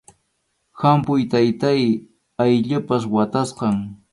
¡Hampuy, taytáy, allqupas watasqam!